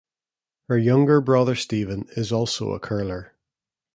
Her younger brother Steven is also a curler.